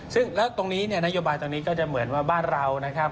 ซึ่งแล้วตรงนี้เนี่ยนโยบายตรงนี้ก็จะเหมือนว่าบ้านเรานะครับ